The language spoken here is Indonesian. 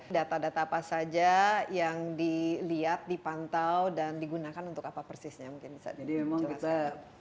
data data apa saja yang dilihat dipantau dan digunakan untuk apa persisnya mungkin bisa diceritakan